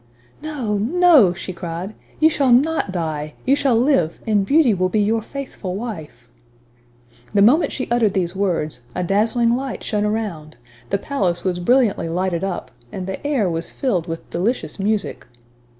"No, no,!" she cried, "you shall not die; you shall live, and Beauty will be your faithful wife!" The moment she uttered these words, a dazzling light shone around the palace was brilliantly lighted up, and the air was filled with delicious music.